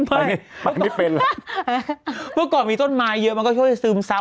อันนี้มันไม่เป็นแล้วเมื่อก่อนมีต้นไม้เยอะมันก็ช่วยซึมซับ